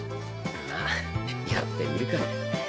まあやってみるか。